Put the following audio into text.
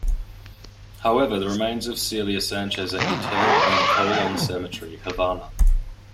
However, the remains of Celia Sanchez are interred in the Colon Cemetery, Havana.